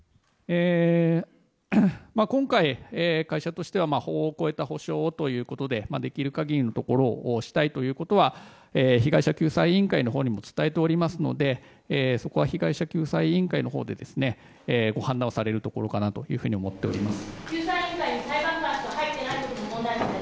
今回、会社としては法を超えた補償をというところでできる限りのことをしたいと被害者救済委員会のほうにも伝えておりますのでそこは被害者救済委員会のほうでご判断されるところかと思っております。